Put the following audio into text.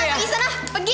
pergi sana pergi